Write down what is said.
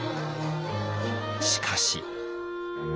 しかし。